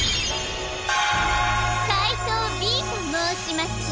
かいとうＢともうします！